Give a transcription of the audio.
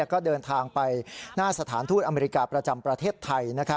ก็เดินทางไปหน้าสถานทูตอเมริกาประจำประเทศไทย